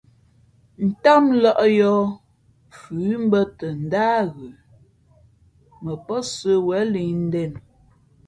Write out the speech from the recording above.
Tám lᾱʼ yōh, fʉ mbᾱ tα ndáh ghə, mα pά sə̌wēn lǐʼ ndēn nu.